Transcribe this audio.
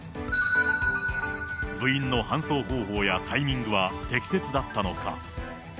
部員の搬送方法やタイミングは適切だったのか。